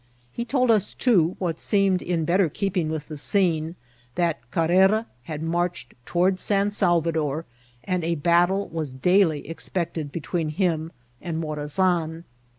He told us, too, what seem ed in better keeping with the scene, that Carrera had inarched toward 8t. Salvador, and a battle was daily expected between him and Morazan.